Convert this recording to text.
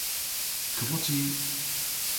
香港廢官個個月收幾十萬